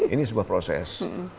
ini sebuah proses